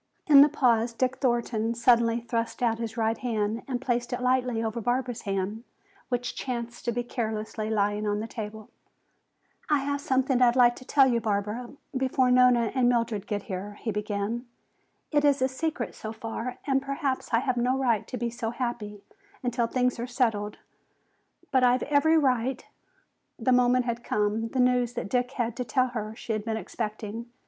In the pause Dick Thornton suddenly thrust out his right hand and placed it lightly over Barbara's hand, which chanced to be carelessly lying on the table. "I have something I'd like to tell you, Barbara, before Nona and Mildred get here," he began. "It is a secret so far and perhaps I have no right to be so happy until things are settled. But I've every right " The moment had come! The news that Dick had to tell her she had been expecting.